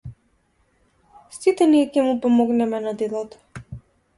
Сите ние ќе му помогнеме на дедото.